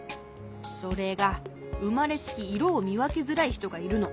それがうまれつきいろをみわけづらいひとがいるの。